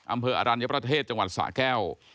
อำเภออรัญญประเทศจังหวัดสะแก้ว